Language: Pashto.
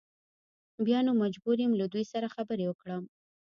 بیا نو مجبور یم له دوی سره خبرې وکړم.